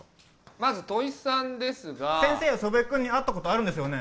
まず問３ですが先生は祖父江君に会ったことあるんですよね？